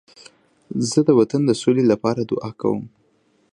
زه د وطن د سولې لپاره دعا کوم.